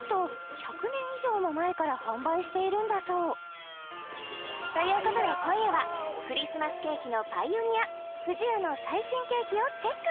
１００年以上も前から販売しているんだそうということで今夜はクリスマスケーキのパイオニア不二家の最新ケーキをチェック